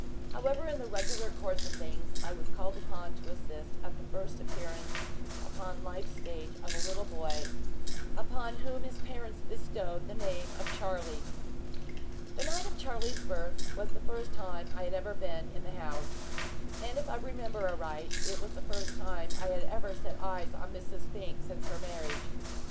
However, in the regular course of things, I was called upon to assist at the first appearance upon life's stage of a little boy, upon whom his parents bestowed the name of Charlie. The night of Charlie's birth was the first time I had ever been in the house, and if I remember aright it was the first time I had ever set eyes on Mrs. Fink since her marriage.